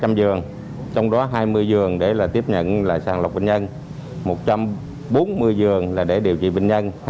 hai trăm linh giường trong đó hai mươi giường để tiếp nhận sàng lọc bệnh nhân một trăm bốn mươi giường để điều trị bệnh nhân